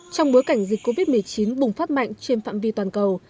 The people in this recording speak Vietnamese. trong bối cảnh dịch covid một mươi chín bùng phát mạnh trên phạm vi toàn cầu